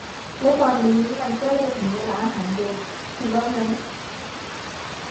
และตอนนี้มันใกล้จะถึงเวลาอาหารเย็น คุณว่างั้น ?